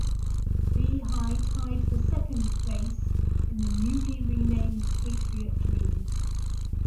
Lehigh tied for second place in the newly renamed Patriot League.